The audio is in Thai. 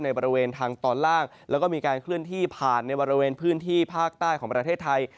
บริเวณทางตอนล่างแล้วก็มีการเคลื่อนที่ผ่านในบริเวณพื้นที่ภาคใต้ของประเทศไทย